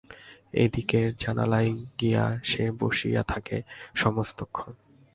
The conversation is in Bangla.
এদিকের জানালায় গিয়া সে বসিয়া থাকে সমস্তক্ষণ।